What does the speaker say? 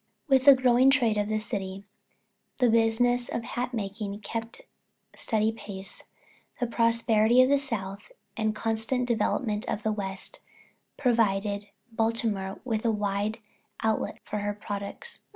With the growing trade of the city, the business of hat making kept steady pace. The prosperity of the South, and the constant development of the West, provided Baltimore with a wide outlet for her products.